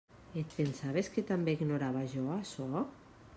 Et pensaves que també ignorava jo açò?